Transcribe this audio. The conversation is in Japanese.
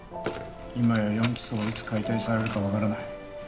今や４機捜はいつ解体されるか分からない